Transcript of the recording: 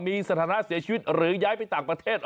มีสถานะเสียชีวิตหรือย้ายไปต่างประเทศ